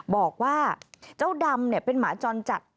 บอกว่าเจ้าดำเป็นหมาจรจัด